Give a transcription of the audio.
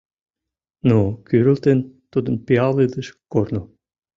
Но кӱрылтын тудын пиал илыш корно